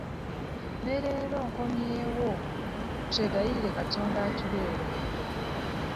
Ne leero nkomyewo twegayirire Katonda atubeere.